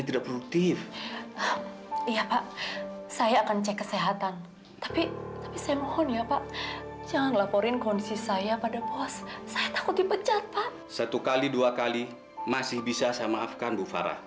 sampai jumpa di video selanjutnya